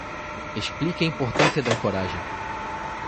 Explique a importância da ancoragem